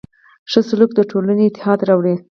ښه سلوک د ټولنې اتحاد راوړي.